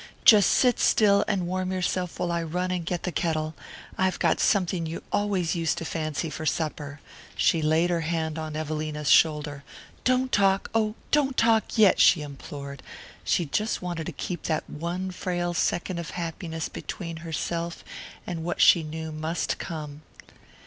Just sit still and warm yourself while I run and get the kettle. I've got something you always used to fancy for supper." She laid her hand on Evelina's shoulder. "Don't talk oh, don't talk yet!" she implored. She wanted to keep that one frail second of happiness between herself and what she knew must come.